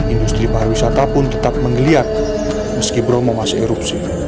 industri pariwisata pun tetap menggeliat meski bromo masih erupsi